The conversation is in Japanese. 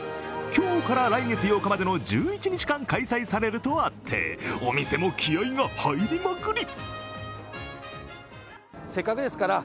今日から来月８日までの１１日間開催されるとあってお店も気合いが入りまくり！